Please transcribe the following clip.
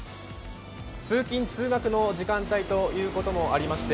通勤・通学の時間帯ということもありまして